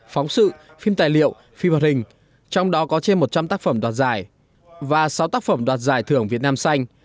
phóng sự phim tài liệu phim hoạt hình trong đó có trên một trăm linh tác phẩm đoạt giải và sáu tác phẩm đoạt giải thưởng việt nam xanh